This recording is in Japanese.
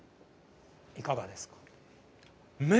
いかがですか？